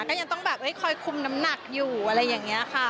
ก็ยังต้องแบบคอยคุมน้ำหนักอยู่อะไรอย่างนี้ค่ะ